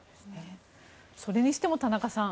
それにしても田中さん